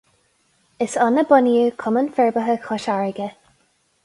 Is ann a bunaíodh Cumann Forbartha Chois Fharraige.